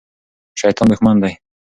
شیطان دښمن دی.